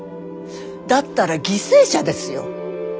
だったら犠牲者ですよ。